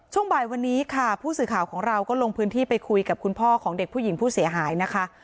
ช่วงบ่ายวันนี้ค่ะผู้สื่อข่าวของเราก็ลงพื้นที่ไปคุยกับคุณพ่อของเด็กผู้หญิงผู้เสียหายนะคะ